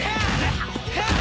ハッ！